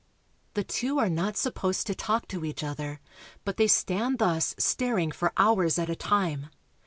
The two are not supposed to talk to each other, but they stand thus staring for hours at a time.